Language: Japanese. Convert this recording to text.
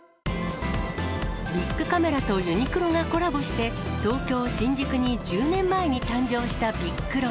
ビックカメラとユニクロがコラボして、東京・新宿に１０年前に誕生したビックロ。